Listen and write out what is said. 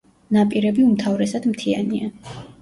ნაპირები უმთავრესად მთიანია.